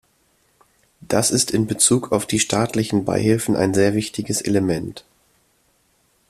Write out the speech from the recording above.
Das ist in bezug auf die staatlichen Beihilfen ein sehr wichtiges Element.